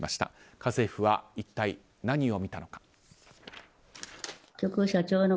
家政婦は一体何を見たのか。